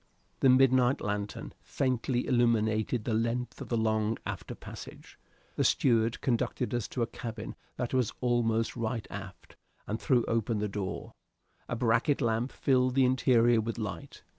The midnight lantern faintly illuminated the length of the long after passage. The steward conducted us to a cabin that was almost right aft, and threw open the door. A bracket lamp filled the interior with light.